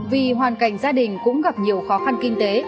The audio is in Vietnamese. vì hoàn cảnh gia đình cũng gặp nhiều khó khăn kinh tế